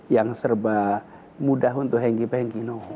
yang serba mudah untuk henggi penggi